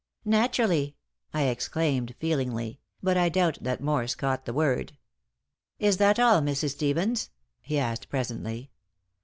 "Naturally!" I exclaimed, feelingly, but I doubt that Morse caught the word. "Is that all, Mrs. Stevens?" he asked, presently.